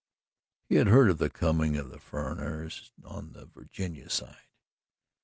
He had heard of the coming of the "furriners" on the Virginia side.